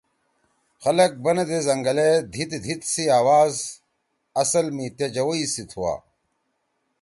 خلگ بندی زنگلے ”دھیت دھیت“ سی آواز اصل می تے جَوَئی سی تُھوا۔